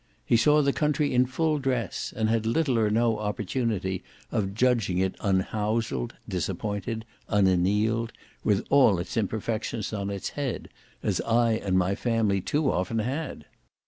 He saw the country in full dress, and had little or no opportunity of judging of it unhouselled, disappointed, unannealed, with all its imperfections on its head, as I and my family too often had.